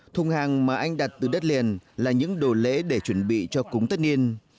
thùng hàng mà anh đặt từ đất liền là những đồ lễ để chuẩn bị cho cúng tất niên